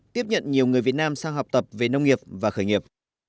tiếp nhận nhiều người việt nam sang học tập về nông nghiệp và khởi nghiệp